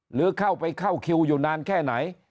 หรือเข้าไปเข้าคิวอยู่นานแค่ไหน